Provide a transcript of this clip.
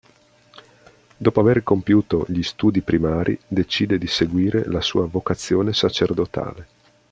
Dopo aver compiuto gli studi primari, decide di seguire la sua vocazione sacerdotale.